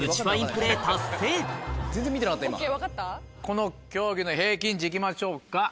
この競技の平均値行きましょうか。